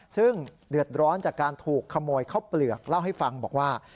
ซึ่งเดือดร้อนจากการถูกขโมยข้าวเปลือกเล่าให้ฟังบอกว่า